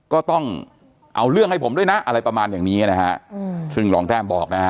ก็ต้องเอาเรื่องให้ผมด้วยนะอะไรประมาณอย่างนี้นะฮะซึ่งรองแต้มบอกนะฮะ